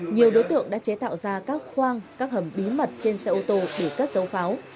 nhiều đối tượng đã chế tạo ra các khoang các hầm bí mật trên xe ô tô để cất dấu pháo